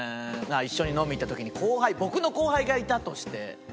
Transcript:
一緒に飲みに行った時に後輩僕の後輩がいたとして。